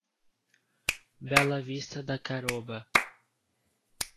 Bela Vista da Caroba